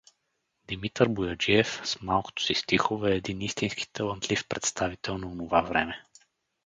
Димитър Бояджиев с малкото си стихове е един истински талантлив представител на онова време.